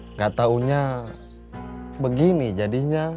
nggak taunya begini jadinya